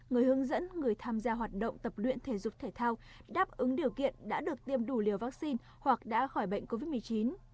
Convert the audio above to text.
người hướng dẫn người tham gia hoạt động tập luyện thể dục thể thao đáp ứng điều kiện đã được tiêm đủ liều vaccine hoặc đã khỏi bệnh covid một mươi chín